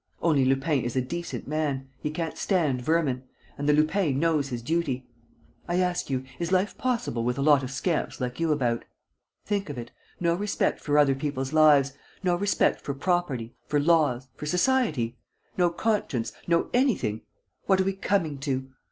Only, Lupin is a decent man, he can't stand vermin; and the Lupin knows his duty. I ask you, is life possible with a lot of scamps like you about? Think of it: no respect for other people's lives; no respect for property, for laws, for society; no conscience; no anything! What are we coming to?